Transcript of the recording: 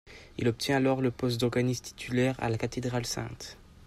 Il obtient alors le poste d'organiste titulaire à la Cathédrale St.